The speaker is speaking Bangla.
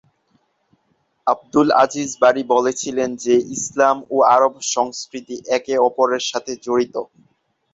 আবদুল আজিজ বারী বলেছিলেন যে ইসলাম ও আরব সংস্কৃতি একে অপরের সাথে জড়িত।